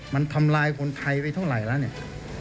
มันทำลายคนไทยไปเท่าไหร่แล้วเนี่ย